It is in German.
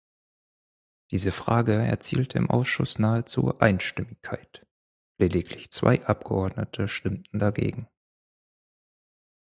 Diese Frage erzielte im Ausschuss nahezu Einstimmigkeit – lediglich zwei Abgeordnete stimmten dagegen.